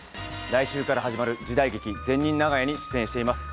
来週から始まる時代劇「善人長屋」に出演しています。